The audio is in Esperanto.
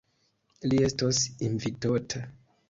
Li estos invitota.